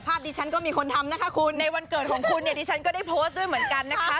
ดิฉันก็มีคนทำนะคะคุณในวันเกิดของคุณเนี่ยดิฉันก็ได้โพสต์ด้วยเหมือนกันนะคะ